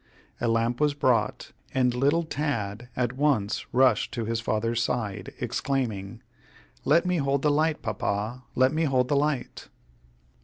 A lamp was brought, and little Tad at once rushed to his father's side, exclaiming: "Let me hold the light, Papa! let me hold the light!"